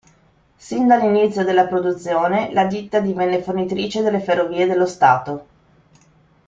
Sin dall'inizio della produzione la ditta divenne fornitrice delle Ferrovie dello Stato.